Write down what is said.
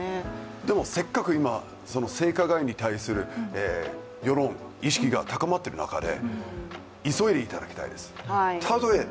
でもせっかく今、性加害に対する世論意識が高まっている中で急いでいただきたいです。